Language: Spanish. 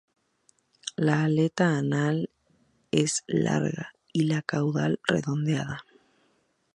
La aleta anal es larga y la caudal redondeada.